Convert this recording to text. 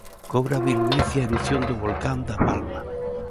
Cobra virulencia a erupción do volcán da Palma.